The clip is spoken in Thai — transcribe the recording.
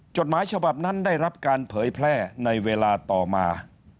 จดหมายฉบับนั้นได้รับการเผยแพร่ในเวลาต่อมา